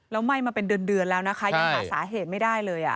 แล้วไหม้มาเป็นเดือนแล้วนะคะยังหาสาเหตุไม่ได้เลย